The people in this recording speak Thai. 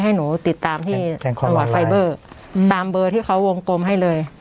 ให้หนูติดตามที่แข่งคอมออนไลน์ตามเบอร์ที่เขาวงกลมให้เลย